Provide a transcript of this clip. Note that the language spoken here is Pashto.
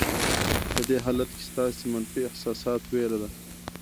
په دې حالت کې ستاسې منفي احساسات وېره ده.